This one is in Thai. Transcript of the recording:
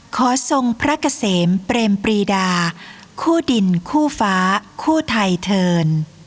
ทรงพระเกษมเปรมปรีดาคู่ดินคู่ฟ้าคู่ไทยเทิร์น